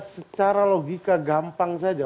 secara logika gampang saja